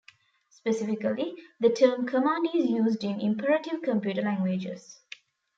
Specifically, the term "command" is used in imperative computer languages.